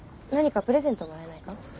何かプレゼントもらえないか？